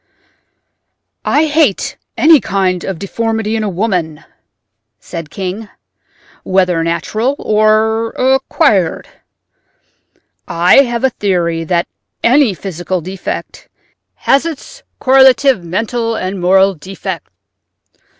"I hate any kind of deformity in a woman," said King, "whether natural or—acquired. I have a theory that any physical defect has its correlative mental and moral defect."